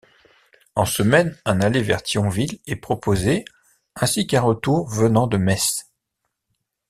En semaine, un aller vers Thionville est proposé ainsi qu'un retour venant de Metz.